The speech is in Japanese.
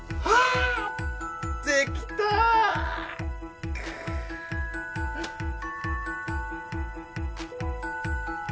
あっ。